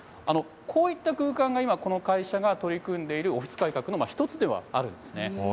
こういった空間が今、この会社が取り組んでいるオフィス改革の一つではあるんですね。